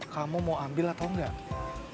kamu mau ambil atau enggak